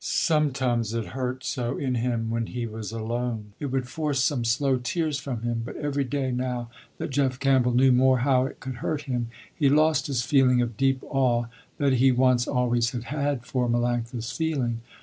Sometimes it hurt so in him, when he was alone, it would force some slow tears from him. But every day, now that Jeff Campbell, knew more how it could hurt him, he lost his feeling of deep awe that he once always had had for Melanctha's feeling.